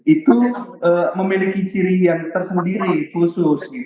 itu memiliki ciri yang tersendiri khusus